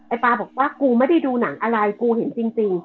ปาบอกว่ากูไม่ได้ดูหนังอะไรกูเห็นจริง